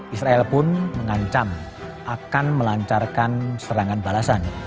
israel pun mengancam akan melancarkan serangan balasan